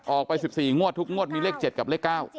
ออกไป๑๔งวดทุกงวดมีเลข๗กับเลข๙